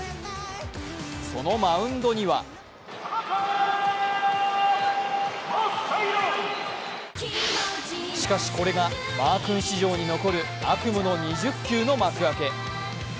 そのマウンドにはしかしこれがマー君史上に残る悪夢の２０球の幕開け。